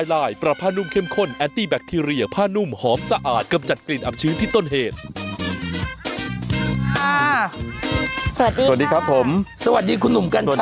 สวัสดีครับผมสวัสดีคุณหนุ่มกันชัยสวัสดีครับสวัสดีครับ